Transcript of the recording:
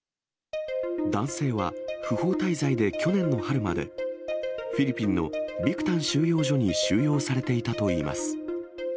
男性は不法滞在で去年の春まで、フィリピンのビクタン収容所に収容されていたといいます。